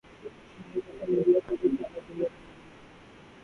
ہمارے جیسا میڈیا پوری اسلامی دنیا میں کہیں نہیں۔